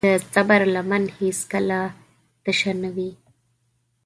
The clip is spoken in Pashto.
د صبر لمن هیڅکله تشه نه وي.